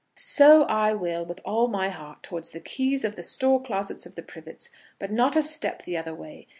"So I will, with all my heart, towards the keys of the store closets of the Privets, but not a step the other way.